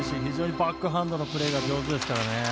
非常にバックハンドのプレーが上手ですからね。